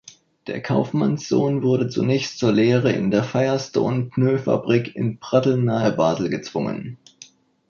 Der Kaufmannssohn wurde zunächst zur Lehre in der Firestone-Pneufabrik in Pratteln nahe Basel gezwungen.